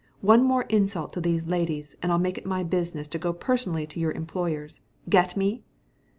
One more insult to these ladies and I'll make it my business to go personally to your employers. Get me?"